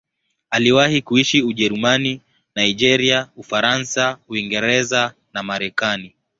Aliwahi kuishi Ujerumani, Nigeria, Ufaransa, Uingereza na Marekani.